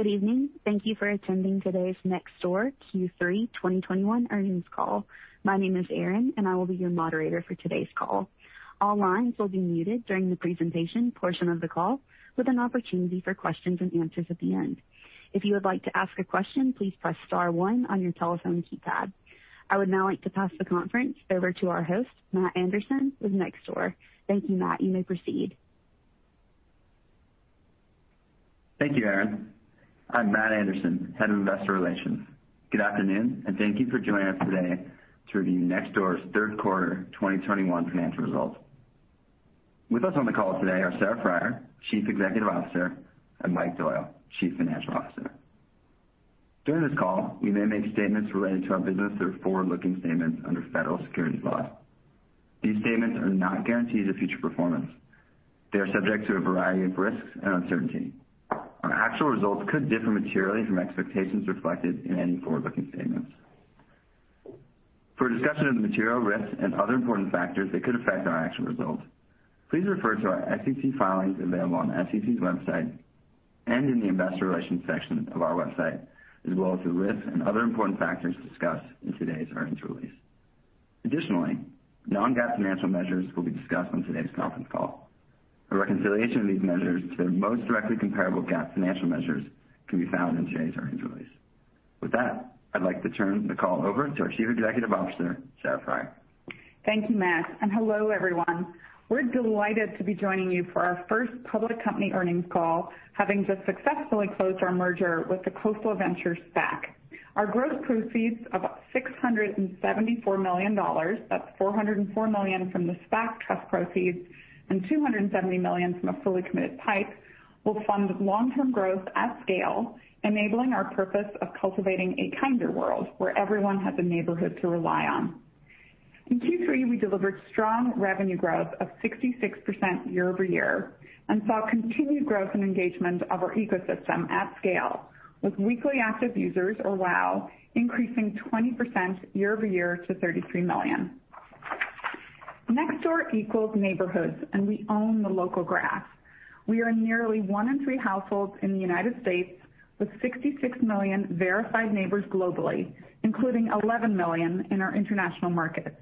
Good evening. Thank you for attending today's Nextdoor Q3 2021 earnings call. My name is Erin, and I will be your moderator for today's call. All lines will be muted during the presentation portion of the call, with an opportunity for questions and answers at the end. If you would like to ask a question, please press star one on your telephone keypad. I would now like to pass the conference over to our host, Matt Anderson, with Nextdoor. Thank you, Matt. You may proceed. Thank you, Erin. I'm Matt Anderson, Head of Investor Relations. Good afternoon, and thank you for joining us today to review Nextdoor's third quarter 2021 financial results. With us on the call today are Sarah Friar, Chief Executive Officer, and Mike Doyle, Chief Financial Officer. During this call, we may make statements relating to our business that are forward-looking statements under federal securities laws. These statements are not guarantees of future performance. They are subject to a variety of risks and uncertainties. Our actual results could differ materially from expectations reflected in any forward-looking statements. For a discussion of the material risks and other important factors that could affect our actual results, please refer to our SEC filings available on sec's website and in the investor relations section of our website, as well as the risks and other important factors discussed in today's earnings release. Additionally, non-GAAP financial measures will be discussed on today's conference call. A reconciliation of these measures to their most directly comparable GAAP financial measures can be found in today's earnings release. With that, I'd like to turn the call over to our Chief Executive Officer, Sarah Friar. Thank you, Matt, and hello, everyone. We're delighted to be joining you for our first public company earnings call, having just successfully closed our merger with the Khosla Ventures SPAC. Our gross proceeds of $674 million, that's $404 million from the SPAC trust proceeds and $270 million from a fully committed PIPE, will fund long-term growth at scale, enabling our purpose of cultivating a kinder world where everyone has a neighborhood to rely on. In Q3, we delivered strong revenue growth of 66% year-over-year, and saw continued growth and engagement of our ecosystem at scale, with weekly active users, or WAU, increasing 20% year-over-year to 33 million. Nextdoor equals neighborhoods, and we own the local graph. We are nearly one in three households in the United States with 66 million verified neighbors globally, including 11 million in our international markets.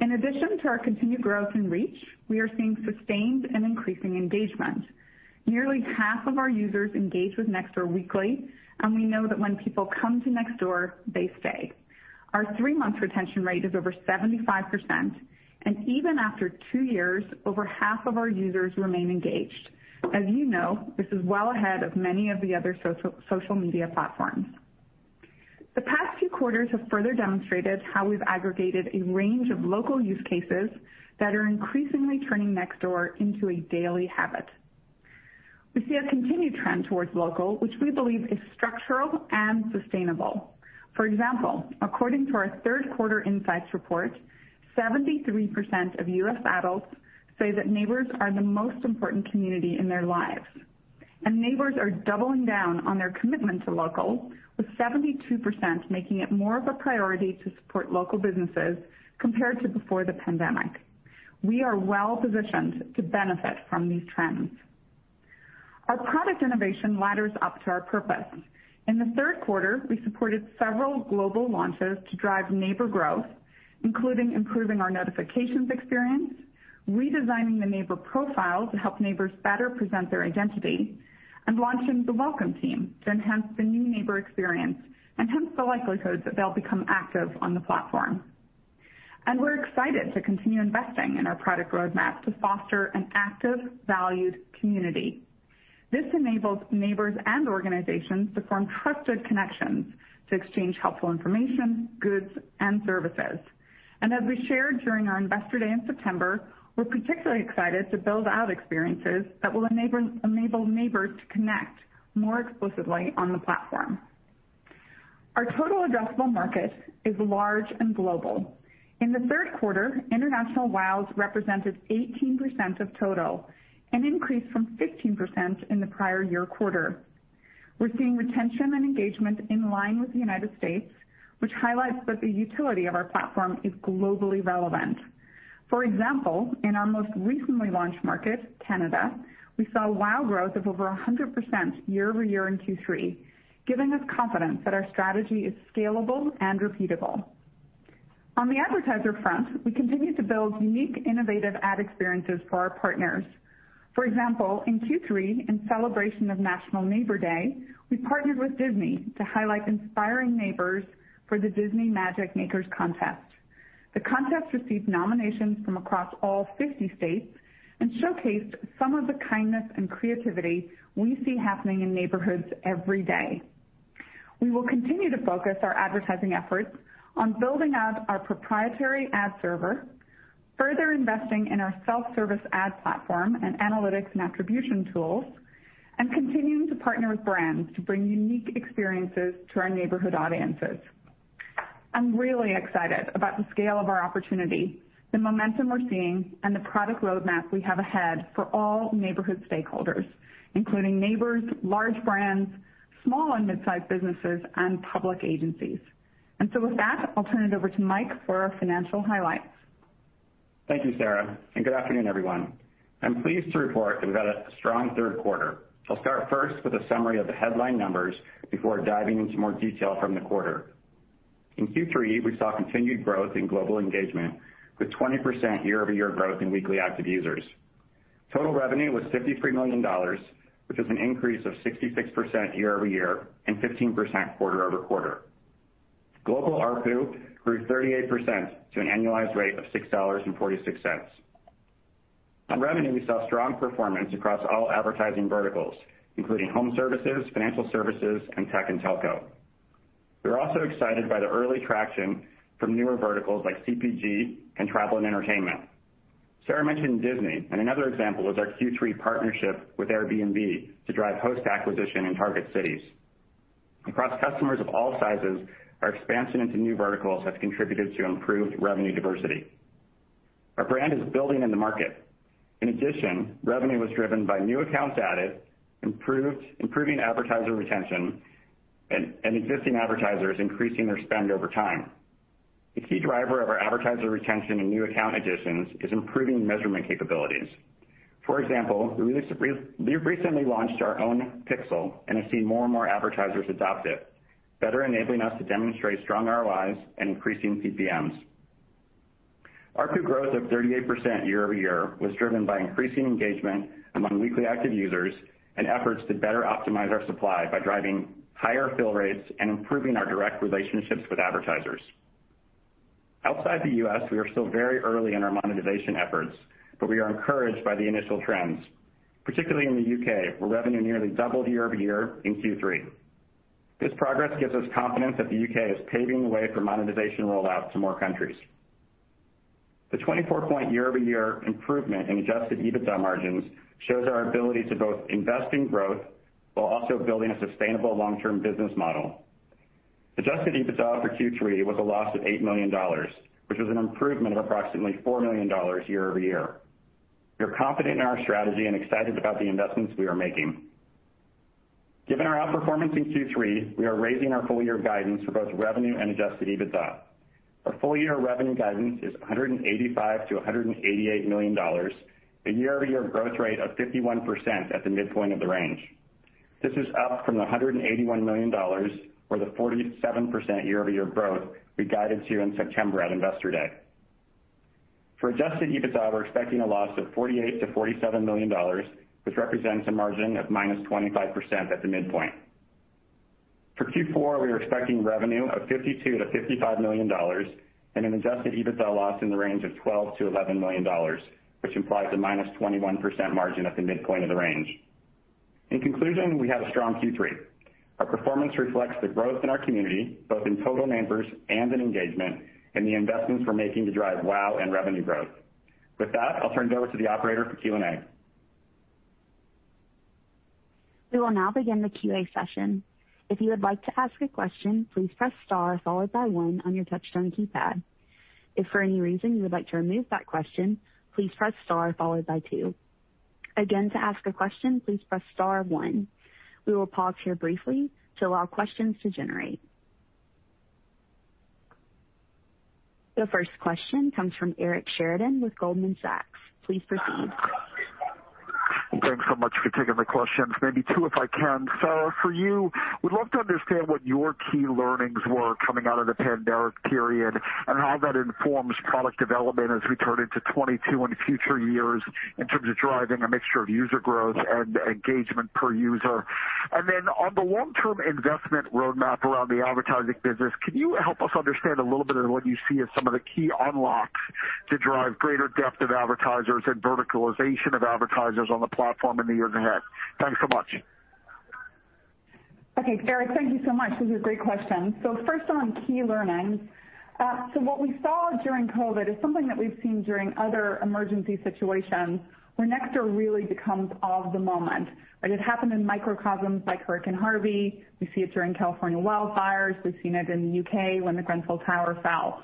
In addition to our continued growth and reach, we are seeing sustained and increasing engagement. Nearly half of our users engage with Nextdoor weekly, and we know that when people come to Nextdoor, they stay. Our three-month retention rate is over 75%, and even after two years, over half of our users remain engaged. As you know, this is well ahead of many of the other social media platforms. The past two quarters have further demonstrated how we've aggregated a range of local use cases that are increasingly turning Nextdoor into a daily habit. We see a continued trend towards local, which we believe is structural and sustainable. For example, according to our third quarter insights report, 73% of U.S. adults say that neighbors are the most important community in their lives. Neighbors are doubling down on their commitment to local, with 72% making it more of a priority to support local businesses compared to before the pandemic. We are well-positioned to benefit from these trends. Our product innovation ladders up to our purpose. In the third quarter, we supported several global launches to drive neighbor growth, including improving our notifications experience, redesigning the neighbor profile to help neighbors better present their identity, and launching the welcome team to enhance the new neighbor experience and the likelihood that they'll become active on the platform. We're excited to continue investing in our product roadmap to foster an active, valued community. This enables neighbors and organizations to form trusted connections to exchange helpful information, goods and services. As we shared during our Investor Day in September, we're particularly excited to build out experiences that will enable neighbors to connect more explicitly on the platform. Our total addressable market is large and global. In the third quarter, international WAUs represented 18% of total, an increase from 15% in the prior year quarter. We're seeing retention and engagement in line with the United States, which highlights that the utility of our platform is globally relevant. For example, in our most recently launched market, Canada, we saw WAU growth of over 100% year-over-year in Q3, giving us confidence that our strategy is scalable and repeatable. On the advertiser front, we continue to build unique, innovative ad experiences for our partners. For example, in Q3, in celebration of National Neighbor Day, we partnered with Disney to highlight inspiring neighbors for the Disney Magic Makers contest. The contest received nominations from across all 50 states and showcased some of the kindness and creativity we see happening in neighborhoods every day. We will continue to focus our advertising efforts on building out our proprietary ad server, further investing in our self-service ad platform and analytics and attribution tools, and continuing to partner with brands to bring unique experiences to our neighborhood audiences. I'm really excited about the scale of our opportunity, the momentum we're seeing, and the product roadmap we have ahead for all neighborhood stakeholders, including neighbors, large brands, small and mid-sized businesses, and public agencies. With that, I'll turn it over to Mike for our financial highlights. Thank you, Sarah, and good afternoon, everyone. I'm pleased to report that we've had a strong third quarter. I'll start first with a summary of the headline numbers before diving into more detail from the quarter. In Q3, we saw continued growth in global engagement with 20% year-over-year growth in weekly active users. Total revenue was $53 million, which is an increase of 66% year-over-year and 15% quarter-over-quarter. Global ARPU grew 38% to an annualized rate of $6.46. On revenue, we saw strong performance across all advertising verticals, including home services, financial services, and tech and telco. We're also excited by the early traction from newer verticals like CPG and travel and entertainment. Sarah mentioned Disney, and another example is our Q3 partnership with Airbnb to drive host acquisition in target cities. Across customers of all sizes, our expansion into new verticals has contributed to improved revenue diversity. Our brand is building in the market. In addition, revenue was driven by new accounts added, improving advertiser retention, and existing advertisers increasing their spend over time. The key driver of our advertiser retention and new account additions is improving measurement capabilities. For example, we've recently launched our own pixel and have seen more and more advertisers adopt it, better enabling us to demonstrate strong ROIs and increasing CPMs. ARPU growth of 38% year-over-year was driven by increasing engagement among weekly active users and efforts to better optimize our supply by driving higher fill rates and improving our direct relationships with advertisers. Outside the U.S., we are still very early in our monetization efforts, but we are encouraged by the initial trends, particularly in the U.K., where revenue nearly doubled year-over-year in Q3. This progress gives us confidence that the U.K. is paving the way for monetization rollout to more countries. The 24-point year-over-year improvement in adjusted EBITDA margins shows our ability to both invest in growth while also building a sustainable long-term business model. Adjusted EBITDA for Q3 was a loss of $8 million, which was an improvement of approximately $4 million year-over-year. We are confident in our strategy and excited about the investments we are making. Given our outperformance in Q3, we are raising our full-year guidance for both revenue and adjusted EBITDA. Our full-year revenue guidance is $185 million-$188 million, a year-over-year growth rate of 51% at the midpoint of the range. This is up from the $181 million or the 47% year-over-year growth we guided to in September at Investor Day. For adjusted EBITDA, we're expecting a loss of $48 million-$47 million, which represents a margin of -25% at the midpoint. For Q4, we are expecting revenue of $52 million-$55 million and an adjusted EBITDA loss in the range of $12 million-$11 million, which implies a -21% margin at the midpoint of the range. In conclusion, we had a strong Q3. Our performance reflects the growth in our community, both in total members and in engagement, and the investments we're making to drive wow and revenue growth. With that, I'll turn it over to the operator for Q&A. We will now begin the Q&A session. If you would like to ask a question, please press star followed by one on your touchtone keypad. If for any reason you would like to remove that question, please press star followed by two. Again, to ask a question, please press star one. We will pause here briefly to allow questions to generate. The first question comes from Eric Sheridan with Goldman Sachs. Please proceed. Thanks so much for taking the questions. Maybe two, if I can. Sarah, for you, we'd love to understand what your key learnings were coming out of the pandemic period and how that informs product development as we turn into 2022 and future years in terms of driving a mixture of user growth and engagement per user? Then on the long-term investment roadmap around the advertising business, can you help us understand a little bit of what you see as some of the key unlocks to drive greater depth of advertisers and verticalization of advertisers on the platform in the years ahead? Thanks so much. Okay. Eric, thank you so much. These are great questions. First on key learnings. What we saw during COVID is something that we've seen during other emergency situations where Nextdoor really becomes of the moment. Like it happened in microcosms like Hurricane Harvey. We see it during California wildfires. We've seen it in the U.K. when the Grenfell Tower fell.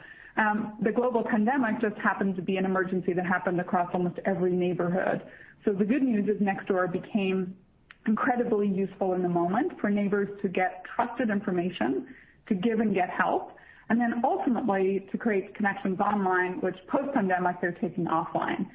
The global pandemic just happened to be an emergency that happened across almost every neighborhood. The good news is Nextdoor became incredibly useful in the moment for neighbors to get trusted information, to give and get help, and then ultimately to create connections online, which post-pandemic they're taking offline.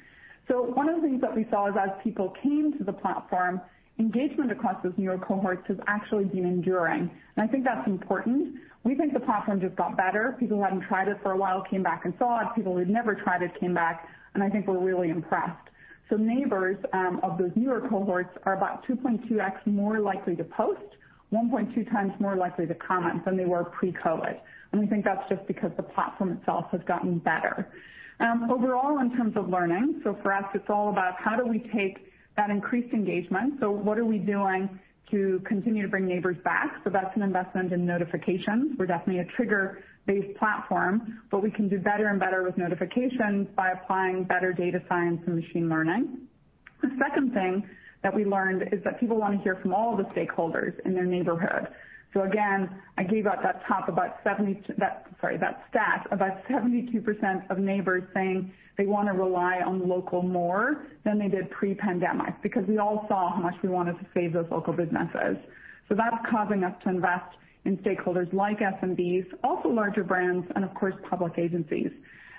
One of the things that we saw is as people came to the platform, engagement across those newer cohorts has actually been enduring. I think that's important. We think the platform just got better. People who hadn't tried it for a while came back and saw it. People who'd never tried it came back, and I think were really impressed. Neighbors of those newer cohorts are about 2.2x more likely to post, 1.2 times more likely to comment than they were pre-COVID. We think that's just because the platform itself has gotten better. Overall in terms of learning, for us it's all about how do we take that increased engagement? What are we doing to continue to bring neighbors back? That's an investment in notifications. We're definitely a trigger-based platform, but we can do better and better with notifications by applying better data science and machine learning. The second thing that we learned is that people want to hear from all the stakeholders in their neighborhood. Again, I gave out that stat about 72% of neighbors saying they want to rely on local more than they did pre-pandemic, because we all saw how much we wanted to save those local businesses. That's causing us to invest in stakeholders like SMBs, also larger brands and of course public agencies.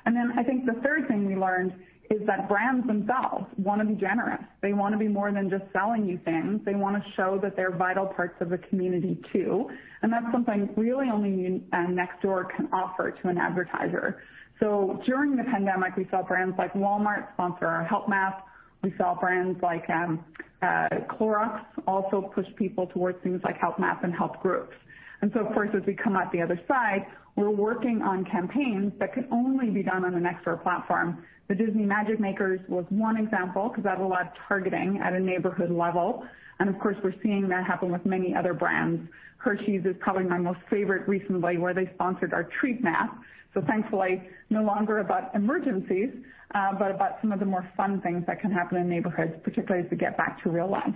I think the third thing we learned is that brands themselves want to be generous. They want to be more than just selling you things. They want to show that they're vital parts of the community too. That's something really only Nextdoor can offer to an advertiser. During the pandemic, we saw brands like Walmart sponsor our Help Map. We saw brands like Clorox also push people towards things like Help Map and help groups. Of course, as we come out the other side, we're working on campaigns that can only be done on the Nextdoor platform. The Disney Magic Makers was one example because that allowed targeting at a neighborhood level. Of course, we're seeing that happen with many other brands. Hershey's is probably my most favorite recently, where they sponsored our Treat Map. Thankfully no longer about emergencies, but about some of the more fun things that can happen in neighborhoods, particularly as we get back to real life.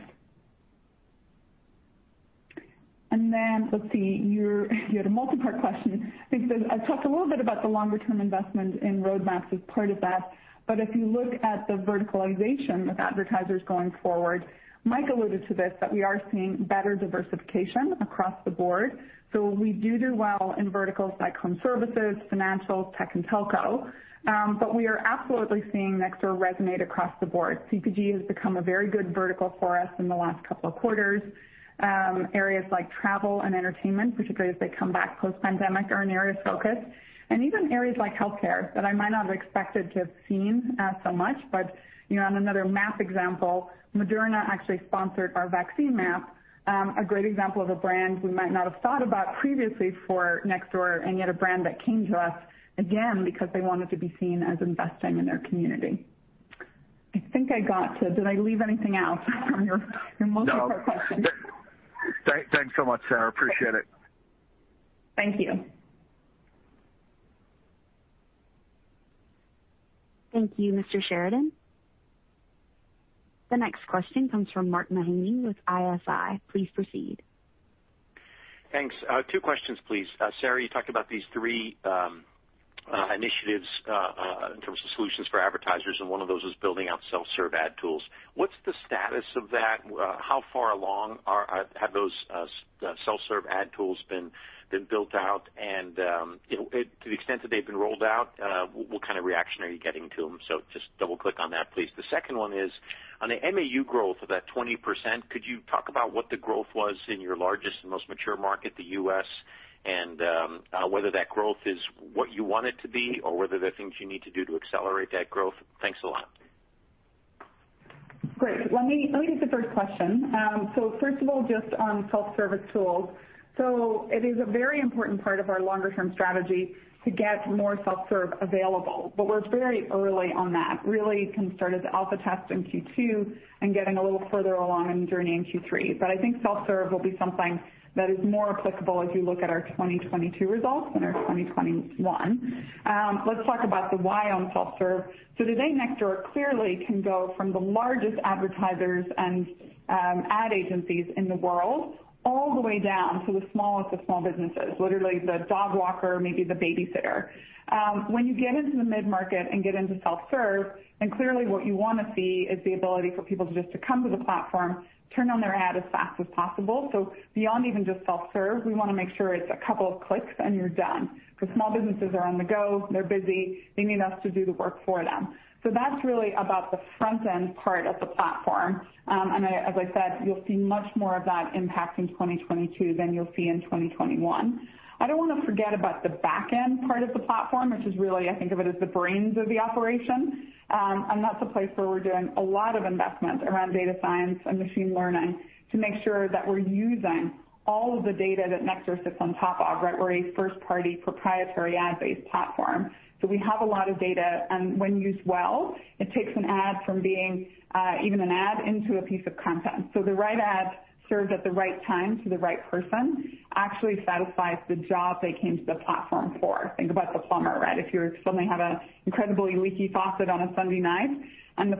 Then, let's see, you had a multi-part question. I think I've talked a little bit about the longer term investment in Roadmaps as part of that. If you look at the verticalization of advertisers going forward, Mike alluded to this, that we are seeing better diversification across the board. We do well in verticals like home services, financials, tech and telco. But we are absolutely seeing Nextdoor resonate across the board. CPG has become a very good vertical for us in the last couple of quarters. Areas like travel and entertainment, particularly as they come back post-pandemic, are an area of focus. Even areas like healthcare that I might not have expected to have seen so much. You know, on another Map example, Moderna actually sponsored our Vaccine Map. A great example of a brand we might not have thought about previously for Nextdoor, and yet a brand that came to us, again because they wanted to be seen as investing in their community. I think I got to. Did I leave anything out from your multi-part question? No, thanks so much, Sarah. Appreciate it. Thank you. Thank you, Mr. Sheridan. The next question comes from Mark Mahaney with Evercore ISI. Please proceed. Thanks. Two questions, please. Sarah, you talked about these three initiatives in terms of solutions for advertisers, and one of those was building out self-serve ad tools. What's the status of that? How far along have those self-serve ad tools been built out? And, you know, to the extent that they've been rolled out, what kind of reaction are you getting to them? So just double click on that, please. The second one is on the MAU growth of that 20%, could you talk about what the growth was in your largest and most mature market, the U.S., and whether that growth is what you want it to be or whether there are things you need to do to accelerate that growth? Thanks a lot. Great. Let me take the first question. First of all, just on self-service tools. It is a very important part of our longer term strategy to get more self-serve available. We're very early on that. Really concerned with the alpha test in Q2 and getting a little further along in the journey in Q3. I think self-serve will be something that is more applicable as we look at our 2022 results than our 2021. Let's talk about the why on self-serve. Today, Nextdoor clearly can go from the largest advertisers and ad agencies in the world all the way down to the smallest of small businesses, literally the dog walker, maybe the babysitter. When you get into the mid-market and get into self-serve, then clearly what you want to see is the ability for people to just come to the platform, turn on their ad as fast as possible. Beyond even just self-serve, we want to make sure it's a couple of clicks and you're done, because small businesses are on the go, they're busy, they need us to do the work for them. That's really about the front end part of the platform. As I said, you'll see much more of that impact in 2022 than you'll see in 2021. I don't want to forget about the back end part of the platform, which is really, I think of it as the brains of the operation. That's a place where we're doing a lot of investment around data science and machine learning to make sure that we're using all of the data that Nextdoor sits on top of, right? We're a first-party proprietary ad-based platform. So we have a lot of data, and when used well, it takes an ad from being even an ad into a piece of content. So the right ad served at the right time to the right person actually satisfies the job they came to the platform for. Think about the plumber, right? If you suddenly have an incredibly leaky faucet on a Sunday night and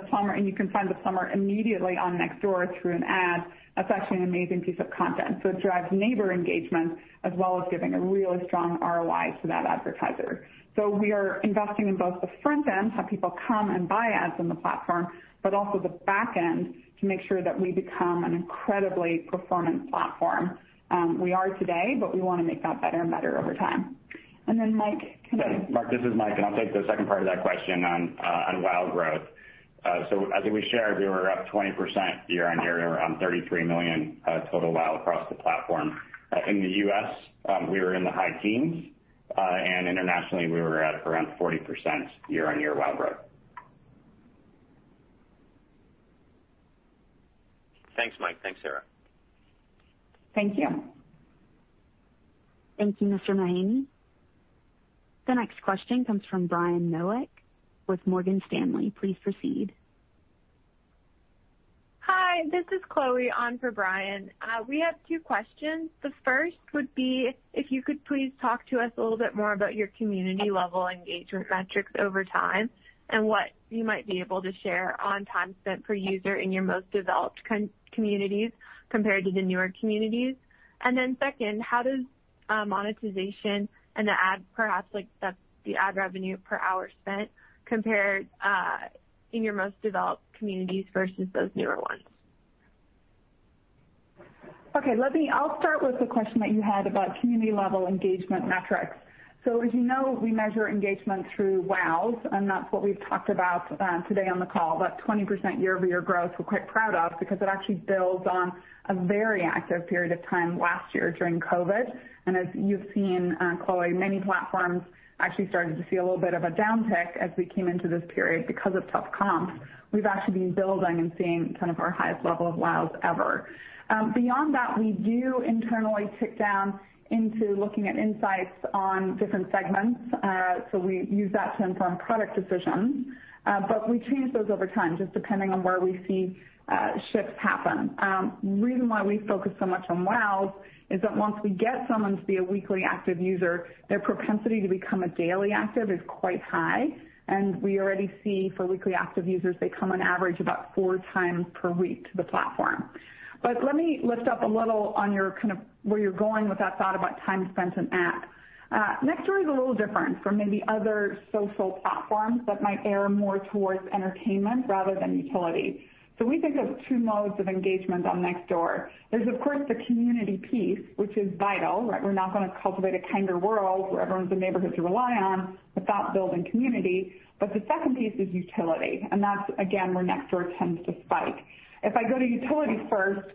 you can find the plumber immediately on Nextdoor through an ad, that's actually an amazing piece of content. So it drives neighbor engagement as well as giving a really strong ROI to that advertiser. We are investing in both the front end, how people come and buy ads on the platform, but also the back end to make sure that we become an incredibly performant platform. We are today, but we want to make that better and better over time. Mike. Yeah. Mark, this is Mike, and I'll take the second part of that question on WAU growth. So as we shared, we were up 20% year-on-year around 33 million total WAU across the platform. In the U.S., we were in the high teens%, and internationally we were at around 40% year-on-year WAU growth. Thanks, Mike. Thanks, Sarah. Thank you. Thank you, Mr. Mahaney. The next question comes from Brian Nowak with Morgan Stanley. Please proceed. Hi, this is Chloe on for Brian Nowak. We have two questions. The first would be if you could please talk to us a little bit more about your community level engagement metrics over time and what you might be able to share on time spent per user in your most developed communities compared to the newer communities? Second, how does monetization and the ad revenue per hour spent compare in your most developed communities versus those newer ones? Okay. I'll start with the question that you had about community level engagement metrics. As you know, we measure engagement through WAUs, and that's what we've talked about today on the call. That 20% year-over-year growth we're quite proud of because it actually builds on a very active period of time last year during COVID. As you've seen, Chloe, many platforms actually started to see a little bit of a downtick as we came into this period because of tough comps. We've actually been building and seeing kind of our highest level of WAUs ever. Beyond that, we do internally drill down into looking at insights on different segments. We use that to inform product decisions. We change those over time just depending on where we see shifts happen. Reason why we focus so much on WAUs is that once we get someone to be a weekly active user, their propensity to become a daily active is quite high. We already see for weekly active users they come on average about four times per week to the platform. Let me lift up a little on your kind of where you're going with that thought about time spent in app. Nextdoor is a little different from maybe other social platforms that might err more towards entertainment rather than utility. We think of two modes of engagement on Nextdoor. There's of course, the community piece, which is vital, right? We're not going to cultivate a kinder world where everyone's a neighbor to rely on without building community. The second piece is utility, and that's again, where Nextdoor tends to spike. If I go to utility first,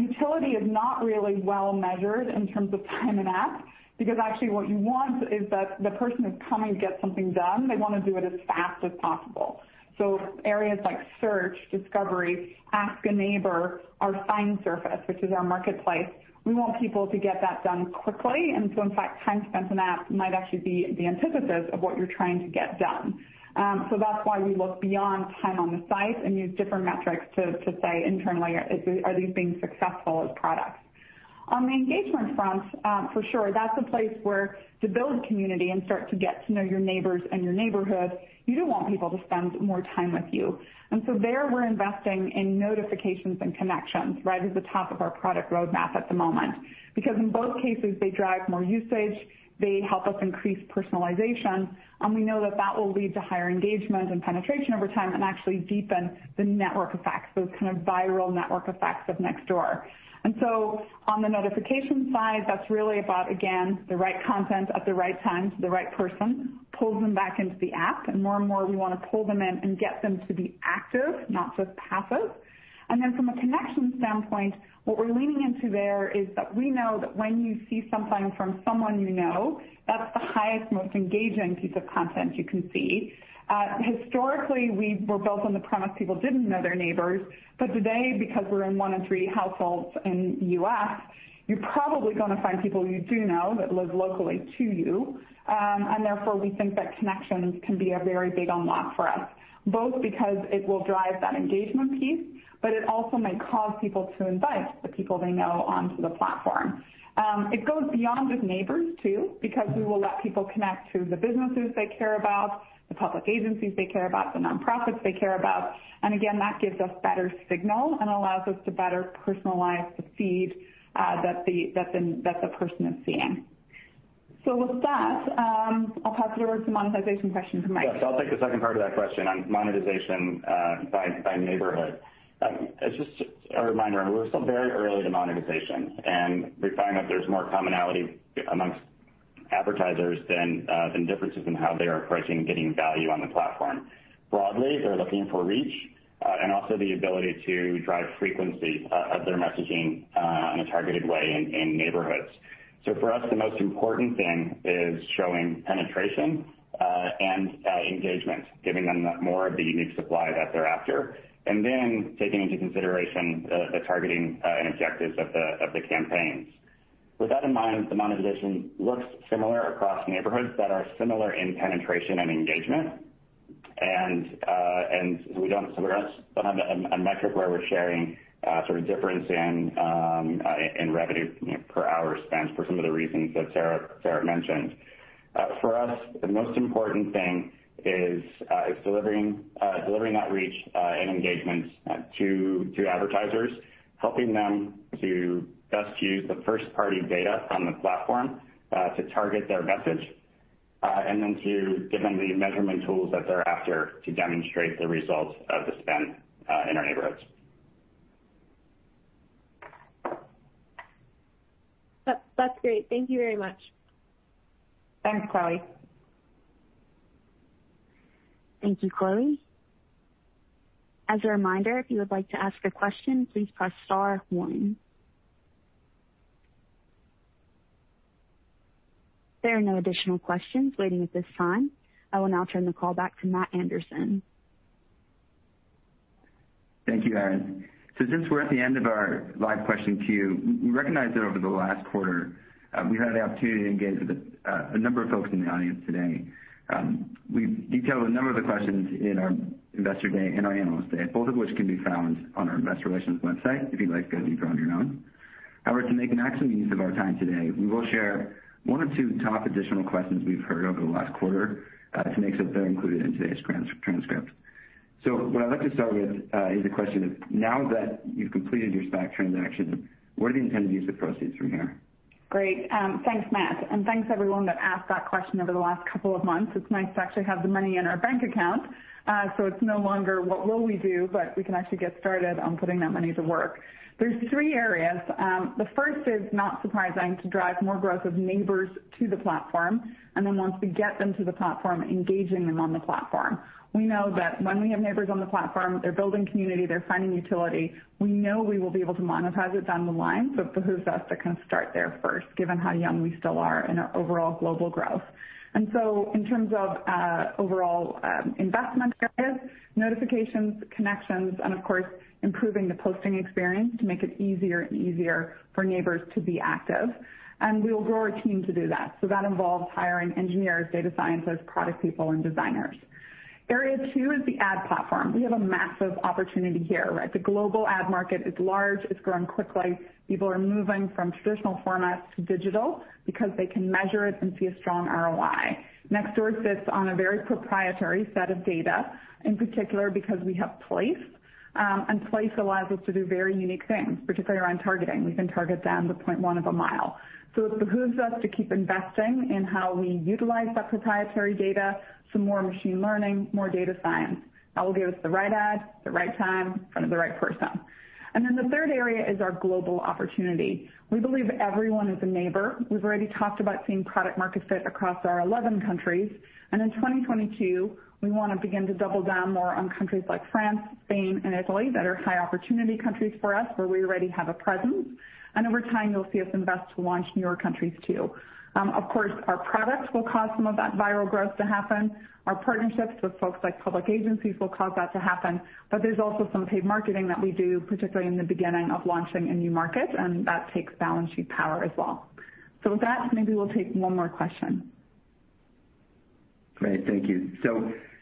utility is not really well measured in terms of time in app because actually what you want is that the person who's coming to get something done, they want to do it as fast as possible. Areas like search, discovery, ask a neighbor, our find surface which is our marketplace, we want people to get that done quickly. In fact time spent in app might actually be the antithesis of what you're trying to get done. That's why we look beyond time on the site and use different metrics to say internally are these being successful as products. On the engagement front, for sure that's a place where to build community and start to get to know your neighbors and your neighborhood, you do want people to spend more time with you. There we're investing in notifications and connections right at the top of our product roadmap at the moment. Because in both cases they drive more usage, they help us increase personalization, and we know that that will lead to higher engagement and penetration over time and actually deepen the network effects, those kind of viral network effects of Nextdoor. On the notification side that's really about, again, the right content at the right time to the right person, pulls them back into the app. More and more we want to pull them in and get them to be active, not just passive. From a connection standpoint, what we're leaning into there is that we know that when you see something from someone you know, that's the highest most engaging piece of content you can see. Historically we were built on the premise people didn't know their neighbors. Today because we're in one in three households in U.S., you're probably gonna find people you do know that live locally to you. Therefore we think that connections can be a very big unlock for us, both because it will drive that engagement piece, but it also may cause people to invite the people they know onto the platform. It goes beyond just neighbors too because we will let people connect to the businesses they care about, the public agencies they care about, the nonprofits they care about. Again, that gives us better signal and allows us to better personalize the feed that the person is seeing. With that, I'll pass you over to the monetization question to Mike. Yes, I'll take the second part of that question on monetization by neighborhood. As just a reminder, we're still very early to monetization and we find that there's more commonality among advertisers than differences in how they are approaching getting value on the platform. Broadly, they're looking for reach and also the ability to drive frequency of their messaging in a targeted way in neighborhoods. For us the most important thing is showing penetration and engagement, giving them the more of the unique supply that they're after, and then taking into consideration the targeting and objectives of the campaigns. With that in mind, the monetization looks similar across neighborhoods that are similar in penetration and engagement. We don't spend a metric where we're sharing sort of difference in revenue, you know per hour spent for some of the reasons that Sarah mentioned. For us the most important thing is delivering that reach and engagement to advertisers, helping them to best use the first party data from the platform to target their message, and then to give them the measurement tools that they're after to demonstrate the results of the spend in our neighborhoods. That, that's great. Thank you very much. Thanks, Chloe. Thank you, Chloe. As a reminder, if you would like to ask a question please press star one. There are no additional questions waiting at this time. I will now turn the call back to Matt Anderson. Thank you, Erin. Since we're at the end of our live question queue, we recognize that over the last quarter, we had the opportunity to engage with a number of folks in the audience today. We detailed a number of the questions in our Investor Day and our Analyst Day, both of which can be found on our Investor Relations website, if you'd like to go deeper on your own. However, to make maximum use of our time today, we will share one or two top additional questions we've heard over the last quarter, to make sure they're included in today's transcript. What I'd like to start with is a question of, now that you've completed your SPAC transaction, where do you intend to use the proceeds from here? Great. Thanks, Matt. Thanks everyone that asked that question over the last couple of months. It's nice to actually have the money in our bank account, so it's no longer what will we do, but we can actually get started on putting that money to work. There's three areas. The first is not surprising to drive more growth of neighbors to the platform, and then once we get them to the platform, engaging them on the platform. We know that when we have neighbors on the platform, they're building community, they're finding utility. We know we will be able to monetize it down the line, so it behooves us to kind of start there first given how young we still are in our overall global growth. In terms of overall investment areas, notifications, connections, and of course improving the posting experience to make it easier and easier for neighbors to be active. We will grow our team to do that. That involves hiring engineers, data scientists, product people and designers. Area two is the ad platform. We have a massive opportunity here, right? The global ad market is large, it's growing quickly. People are moving from traditional formats to digital because they can measure it and see a strong ROI. Nextdoor sits on a very proprietary set of data, in particular because we have place and place allows us to do very unique things, particularly around targeting. We can target down to 0.1 of a mile. It behooves us to keep investing in how we utilize that proprietary data, some more machine learning, more data science. That will give us the right ad at the right time in front of the right person. Then the third area is our global opportunity. We believe everyone is a neighbor. We've already talked about seeing product market fit across our 11 countries, and in 2022, we wanna begin to double down more on countries like France, Spain and Italy that are high opportunity countries for us, where we already have a presence. Over time you'll see us invest to launch newer countries too. Of course, our products will cause some of that viral growth to happen. Our partnerships with folks like public agencies will cause that to happen. There's also some paid marketing that we do, particularly in the beginning of launching a new market, and that takes balance sheet power as well. With that, maybe we'll take one more question. Great. Thank you.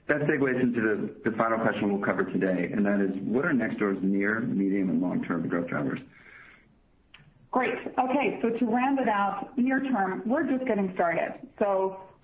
That segues into the final question we'll cover today, and that is what are Nextdoor's near, medium and long-term growth drivers? Great. Okay. To round it out, near term, we're just getting started.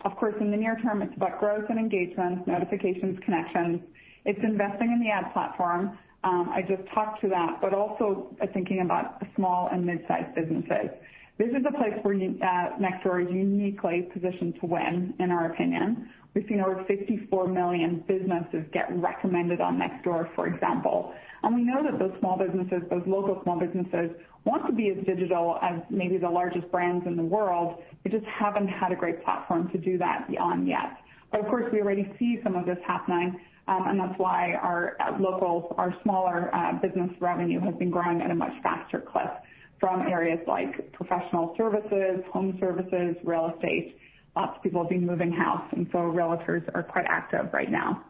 Of course in the near term it's about growth and engagement, notifications, connections. It's investing in the ad platform. I just talked to that, but also thinking about the small and mid-sized businesses. This is a place where Nextdoor is uniquely positioned to win in our opinion. We've seen over 54 million businesses get recommended on Nextdoor, for example. We know that those small businesses, those local small businesses want to be as digital as maybe the largest brands in the world. They just haven't had a great platform to do that on yet. Of course, we already see some of this happening, and that's why our locals, our smaller, business revenue has been growing at a much faster clip from areas like professional services, home services, real estate. Lots of people have been moving house, and so realtors are quite active right now.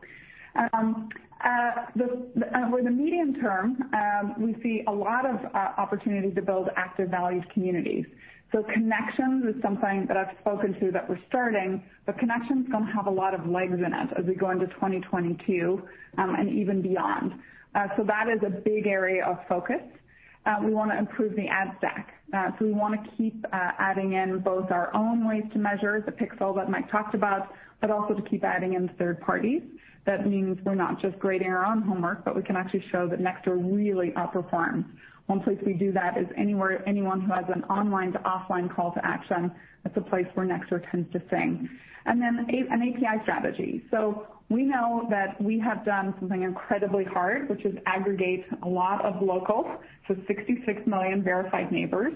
With the medium term, we see a lot of opportunity to build active, valued communities. Connections is something that I've spoken to that we're starting, but connections is gonna have a lot of legs in it as we go into 2022, and even beyond. That is a big area of focus. We wanna improve the ad stack. We wanna keep adding in both our own ways to measure the pixel that Mike talked about, but also to keep adding in third parties. That means we're not just grading our own homework, but we can actually show that Nextdoor really outperforms. One place we do that is anywhere anyone who has an online to offline call to action, that's a place where Nextdoor tends to sing. API strategy. We know that we have done something incredibly hard, which is aggregate a lot of locals. 66 million verified neighbors,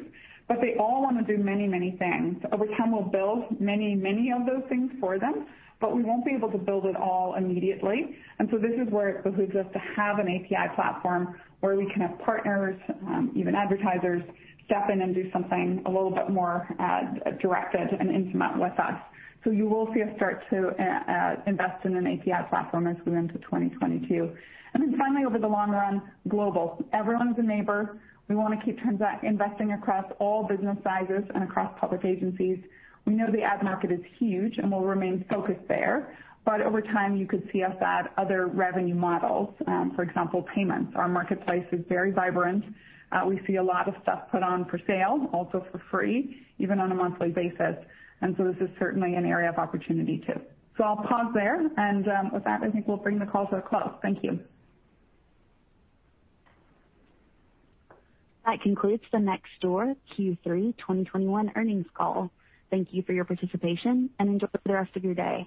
but they all wanna do many, many things. Over time, we'll build many, many of those things for them, but we won't be able to build it all immediately. This is where it behooves us to have an API platform where we can have partners, even advertisers step in and do something a little bit more directed and intimate with us. You will see us start to invest in an API platform as we move to 2022. Finally over the long run, global. Everyone's a neighbor. We wanna keep investing across all business sizes and across public agencies. We know the ad market is huge and we'll remain focused there, but over time you could see us add other revenue models. For example, payments. Our marketplace is very vibrant. We see a lot of stuff put on for sale, also for free, even on a monthly basis. This is certainly an area of opportunity too. I'll pause there, and with that, I think we'll bring the call to a close. Thank you. That concludes the Nextdoor Q3 2021 earnings call. Thank you for your participation, and enjoy the rest of your day.